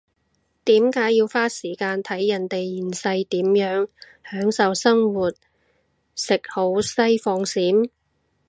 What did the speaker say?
點解要花時間睇人哋現世點樣享受生活食好西放閃？